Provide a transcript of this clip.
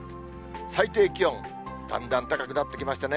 最低気温、だんだん高くなってきましたね。